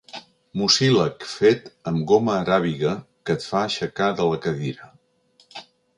Mucílag fet amb goma aràbiga que et fa aixecar de la cadira.